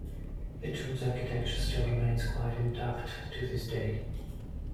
The tomb's architecture still remains quite intact to this day.